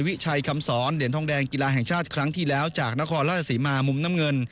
วิชัยคำสอนเหรียญทองแดงกีฬาแห่งชาติครั้งที่แล้วจากนครราชสีมามุมน้ำเงิน